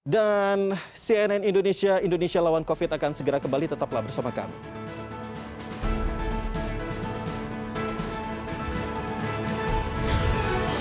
dan cnn indonesia indonesia lawan covid akan segera kembali tetaplah bersama kami